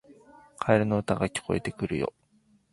カエルの歌が聞こえてくるよ